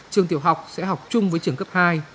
trường tiểu học sẽ học chung với trường cấp hai